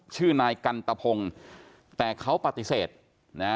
ชื่อนายกันตะพงแต่เขาปฏิเสธนะฮะ